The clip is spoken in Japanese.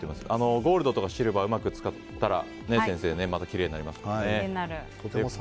ゴールドとかシルバーをうまく使ったらまたきれいになりますよね、先生。